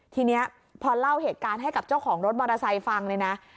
ทีนี้พอเล่าเหตุการณ์ให้กับเจ้าของรถมอเตอร์ไซค์ฟังเลยนะ